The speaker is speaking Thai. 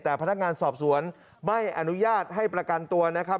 แต่พนักงานสอบสวนไม่อนุญาตให้ประกันตัวนะครับ